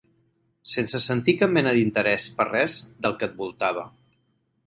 Sense sentir cap mena d'interès per res del que et voltava.